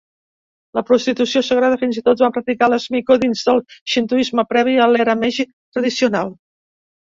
La prostitució sagrada fins i tot la van practicar les miko dins del xintoisme previ a l'era Meiji tradicional.